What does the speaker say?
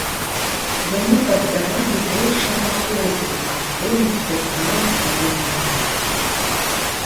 Яны паддавалі большага ходу, а звон ўсё гнаўся за імі.